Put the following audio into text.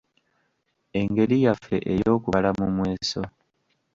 Engeri yaffe ey'okubala mu mweso.